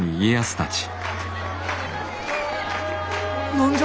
何じゃ？